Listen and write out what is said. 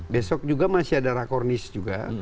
besok juga masih ada rakornis juga